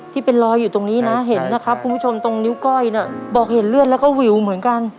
ที่เป็นรอยอยู่ตรงนี้นะเห็นนะครับคุณผู้ชมตรงนิ้วก้อยน่ะบอกเห็นเลือดแล้วก็วิวเหมือนกัน